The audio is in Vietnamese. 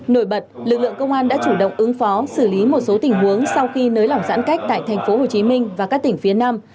nổi bật lực lượng công an đã chủ động ứng phó xử lý một số tình huống sau khi nới lỏng giãn cách tại thành phố hồ chí minh và các tỉnh phía nam